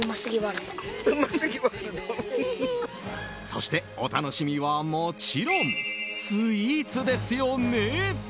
そして、お楽しみはもちろんスイーツですよね！